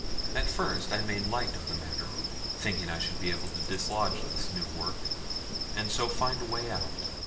At first I made light of the matter, thinking I should soon be able to dislodge this new work, and so find a way out.